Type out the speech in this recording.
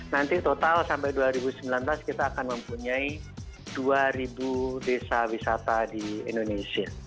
nanti total sampai dua ribu sembilan belas kita akan mempunyai dua desa wisata di indonesia